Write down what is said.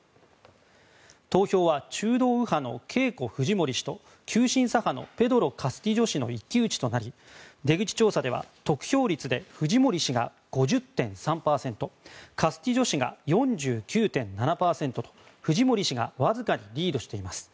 投票は中道右派のケイコ・フジモリ氏と急進左派のペドロ・カスティジョ氏の一騎打ちとなり出口調査では得票率でフジモリ氏が５０．３％カスティジョ氏が４９．７％とフジモリ氏がわずかにリードしています。